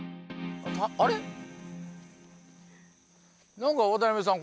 何か渡辺さん